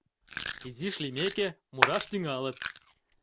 Изиш лиймеке, мураш тӱҥалыт: